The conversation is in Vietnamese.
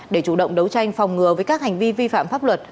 để chủ động đấu tranh phòng ngừa với các hành vi vi phạm pháp luật